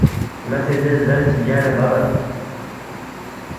ن٘ا سی زِل زَل چی بیا نہ بَبات